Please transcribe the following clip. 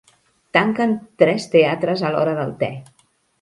Tanquen tres teatres a l'hora del te.